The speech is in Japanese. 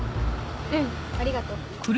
うんありがとう。